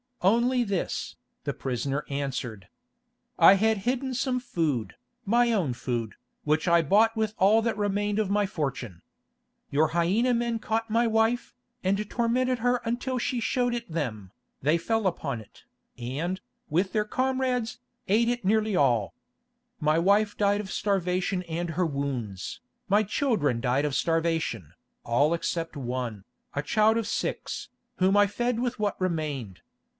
"Only this," the prisoner answered. "I had hidden some food, my own food, which I bought with all that remained of my fortune. Your hyæna men caught my wife, and tormented her until she showed it them. They fell upon it, and, with their comrades, ate it nearly all. My wife died of starvation and her wounds, my children died of starvation, all except one, a child of six, whom I fed with what remained.